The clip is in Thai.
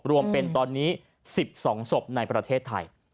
รวมเป็นตอนนี้๑๒ศพในประเทศไทย